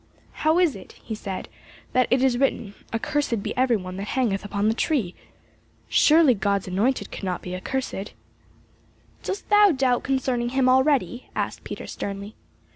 "How is it," he said, "that it is written, 'Accursed be every one that hangeth upon the tree?' Surely God's Anointed could not be accursed." "Dost thou doubt concerning him already?" asked Peter sternly.